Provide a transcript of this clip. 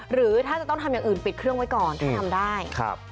หรือถ้าจะต้องทำอย่างอื่นปิดเครื่องไว้ก่อนถ้าทำได้